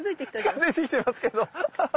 近づいてきてますけどアハハ。